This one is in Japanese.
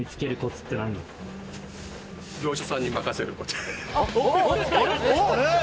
業者さんに任せる。